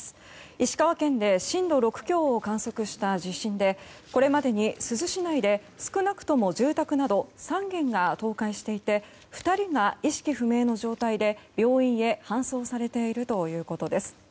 石川県で震度６強を観測した地震でこれまでに珠洲市内で少なくとも住宅など３軒が倒壊していて２人が意識不明の状態で病院へ搬送されているということです。